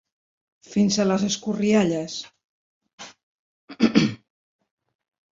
Fins a les escorrialles.